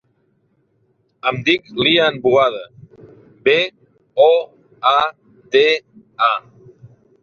Em dic Lian Boada: be, o, a, de, a.